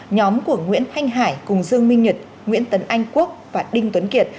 nhóm của nguyễn thanh hải cùng dương minh nhật nguyễn tấn anh quốc và đinh tuấn kiệt